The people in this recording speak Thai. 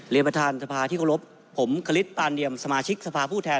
เรียนประธานสภาที่เคารพผมคลิดปานเนียมสมาชิกสภาผู้แทน